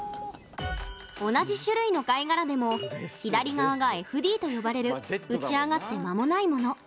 同じ種類の貝殻でも左側がＦＤと呼ばれる打ち上がって、まもないもの。